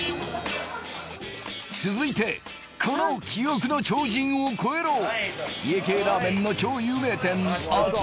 続いてこの記憶の超人を超えろ家系ラーメンの超有名店厚木